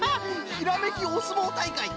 「ひらめきおすもうたいかい！」